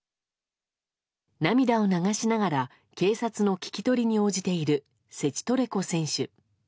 涙を流しながら警察の聞き取りに応じているセチトレコ選手。